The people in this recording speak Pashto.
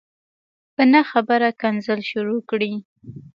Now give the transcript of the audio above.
په نه خبره کنځل شروع کړي